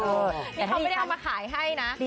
นี่เขาไม่ได้เอามาขายให้นะ